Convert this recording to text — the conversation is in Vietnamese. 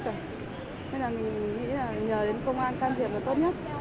thế là mình nghĩ là nhờ đến công an can thiệp được tốt nhất